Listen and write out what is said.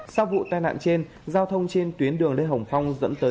sau vụ tai nạn trên giao thông trên tuyến đường lê hồng phong dẫn tới